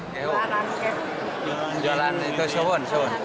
jalan itu sebuah